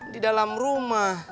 di dalam rumah